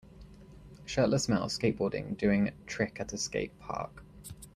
Shirtless male skateboarded doing trick at a skate park.